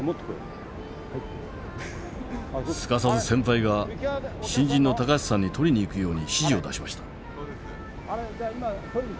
すかさず先輩が新人の橋さんに取りに行くよう指示を出しました。